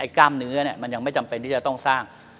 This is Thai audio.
กล้ามเนื้อมันยังไม่จำเป็นที่จะต้องสร้าง